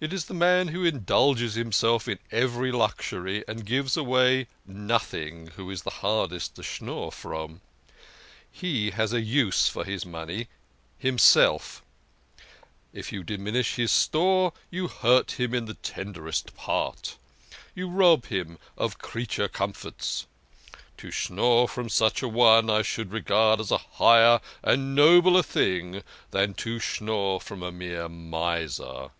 It is the man who indulges himself in every luxury and gives away nothing who is the hardest to schnorr from. He has a use for his money himself ! If you diminish his store you hurt him in the tenderest part you rob him of creature comforts. To schnorr from such a one I should regard as a higher and nobler thing than to schnorr from a mere miser."